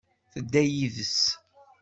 Tedda yides.